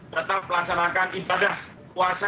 tetap melaksanakan ibadah puasa